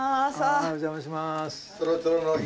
お邪魔します。